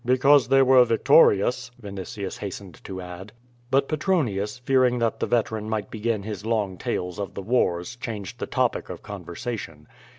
"Because they were victorious/' Vinitius hastened to add. But Petronius, fearing that the veteran might begin his long tales of the wars changed the topic of conversation.